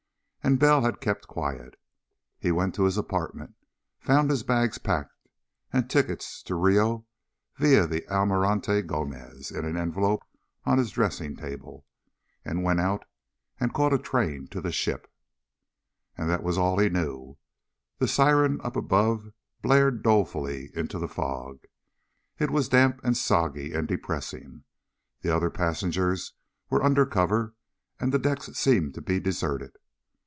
And Bell had kept quiet. He went to his apartment, found his bags packed and tickets to Rio via the Almirante Gomez in an envelope on his dressing table, and went out and caught a train to the ship. And that was all he knew. The siren up above blared dolefully into the fog. It was damp, and soggy, and depressing. The other passengers were under cover, and the decks seemed to be deserted.